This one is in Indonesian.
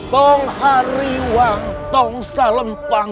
kulah hariwang kulah salempang